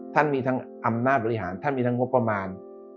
ท่านมีทั้งอำนาจบริหารท่านมีทั้งงบประมาณ